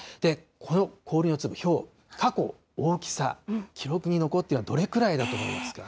この氷の粒、ひょう、過去、大きさ、記録に残っているのはどれくらいだと思いますか。